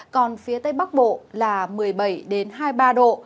còn phía tây bắc bộ là một mươi bảy hai mươi ba độ